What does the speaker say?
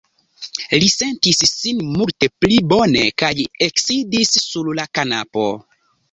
Li sentis sin multe pli bone kaj eksidis sur la kanapo.